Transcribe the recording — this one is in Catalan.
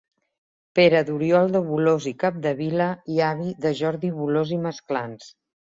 Pare d'Oriol de Bolòs i Capdevila i avi de Jordi Bolòs i Masclans.